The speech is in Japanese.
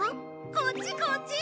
こっちこっち！